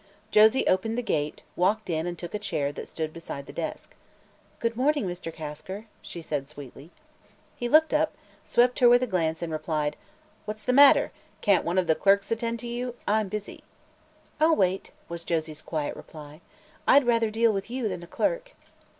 Josie opened the gate, walked in and took a chair that stood beside the desk. "Good morning, Mr. Kasker," she said sweetly. He looked up, swept her with a glance and replied: "What's the matter? Can't one of the clerks attend to you? I'm busy." "I'll wait," was Josie's quiet reply. "I'd rather deal with you than a clerk."